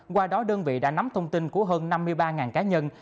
qua đó đơn vị đã nắm thông tin của hơn năm mươi ba cá nhân